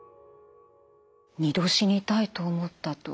２度死にたいと思ったと。